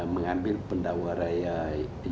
mengambil pendahwa raya yang tidak bersalah